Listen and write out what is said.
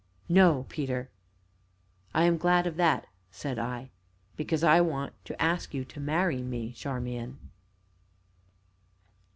"No, Peter." "I am glad of that," said I, "because I want to ask you to marry me, Charmian."